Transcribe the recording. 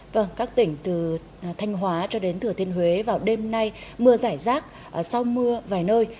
vâng các tỉnh từ thanh hóa cho đến thừa thiên huế vào đêm nay mưa giải rác sau mưa vài nơi